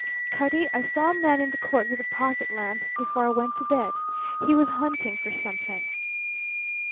"Cutty, I saw a man in the court with a pocket lamp before I went to bed. He was hunting for something."